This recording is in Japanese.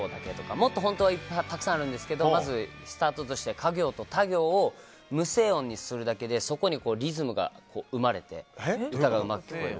もっと本当はたくさんあるんですがスタートとしてか行とた行を無声音にするだけでそこにリズムが生まれて、歌がうまく聞こえる。